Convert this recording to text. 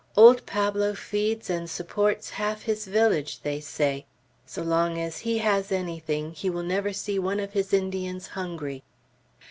Old Pablo feeds and supports half his village, they say. So long as he has anything, he will never see one of his Indians hungry."